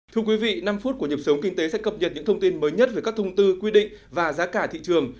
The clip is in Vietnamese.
thưa quý vị năm phút của nhập sống kinh tế sẽ cập nhật những thông tin mới nhất về các thông tư quy định và giá cả thị trường